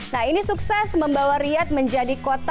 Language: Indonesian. nah ini sukses membawa riyad menjadi kota